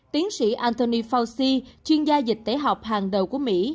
tiến sĩ anthony fauci chuyên gia dịch tẩy học hàng đầu của mỹ